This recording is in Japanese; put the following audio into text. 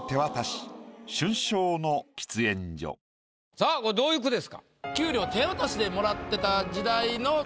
さぁこれどういう句ですか？